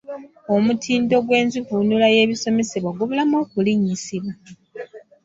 Omutindo gw’enzivuunula y’ebisomesebwa gubulamu okulinnyisibwa.